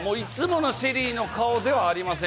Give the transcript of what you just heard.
いつものＳＨＥＬＬＹの顔ではありません。